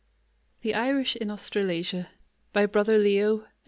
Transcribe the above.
THE IRISH IN AUSTRALASIA By BROTHER LEO, F.